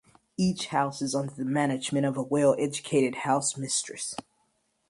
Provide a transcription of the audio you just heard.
Each house is under the management of a well-educated housemistress.